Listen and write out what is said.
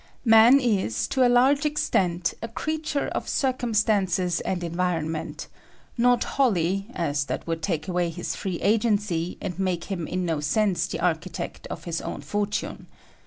Man is to a large extent a creature of cir cumstances and environment; not wholly, as that would take away his free agency and make him in no sense the architect of his own for tune.